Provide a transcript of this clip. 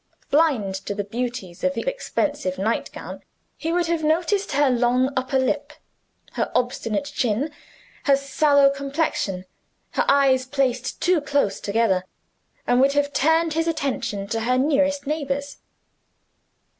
Blind to the beauties of the expensive night gown, he would have noticed her long upper lip, her obstinate chin, her sallow complexion, her eyes placed too close together and would have turned his attention to her nearest neighbors.